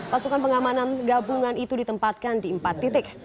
pasukan pengamanan gabungan itu ditempatkan di empat titik